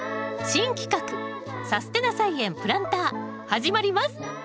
新企画「さすてな菜園プランター」始まります！